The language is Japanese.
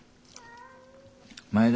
前田